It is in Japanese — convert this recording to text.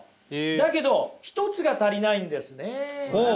だけど１つが足りないんですねえ。